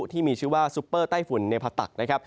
ที่มีชื่อว่าซุปเปอร์ใต้ฝุ่นในผตักนะครับ